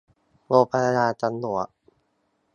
โรงพยาบาลตำรวจ